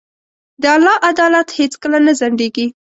د الله عدالت هیڅکله نه ځنډېږي.